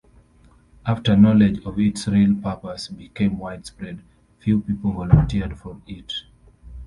After knowledge of its real purpose became widespread, few people volunteered for it.